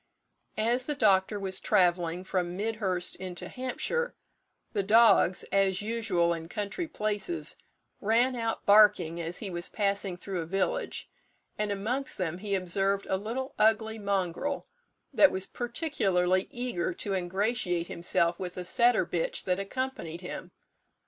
As the doctor was travelling from Midhurst into Hampshire, the dogs, as usual in country places, ran out barking as he was passing through a village; and amongst them he observed a little ugly mongrel, that was particularly eager to ingratiate himself with a setter bitch that accompanied him.